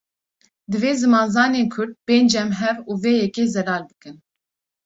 Divê zimanzanên kurd, bên cem hev û vê yekê zelal bikin